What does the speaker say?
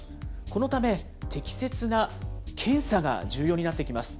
このため、適切な検査が重要になってきます。